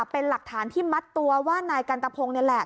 เป็นหลักฐานที่มัดตัวว่านายกันตะพงศ์นี่แหละ